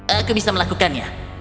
aku bisa melakukannya